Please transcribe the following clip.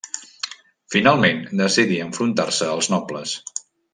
Finalment decidí enfrontar-se als nobles.